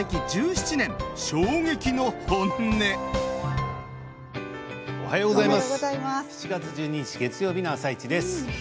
７月１２日月曜日の「あさイチ」です。